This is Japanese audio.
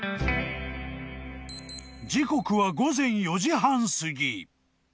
［時刻は午前４時半すぎ］